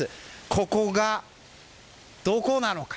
ここがどこなのか。